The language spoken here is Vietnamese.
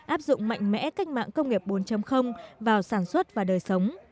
áp dụng mạnh mẽ cách mạng công nghiệp bốn vào sản xuất và đời sống